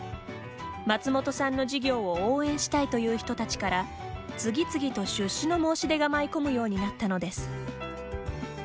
松本さんの事業を応援したいという人たちから次々と出資の申し出が舞い込むようになったのです。